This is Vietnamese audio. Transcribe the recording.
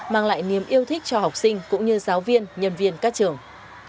mang lại niềm yêu thích cho học sinh cũng như giáo viên nhân viên các trường